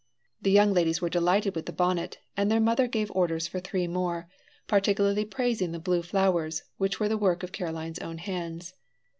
The young ladies were delighted with the bonnet, and their mother gave orders for three more, particularly praising the blue flowers, which were the work of Caroline's own hands.